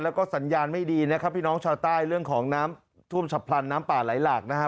แล้วก็สัญญาณไม่ดีนะครับพี่น้องชาวใต้เรื่องของน้ำท่วมฉับพลันน้ำป่าไหลหลากนะฮะ